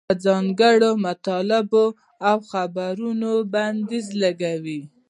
پر ځانګړو مطالبو او خبرونو بندیز لګوي.